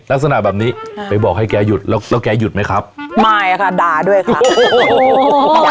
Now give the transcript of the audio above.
ลักษณะแบบนี้ไปบอกให้แกหยุดแล้วแล้วแกหยุดไหมครับไม่ค่ะด่าด้วยค่ะโอ้โห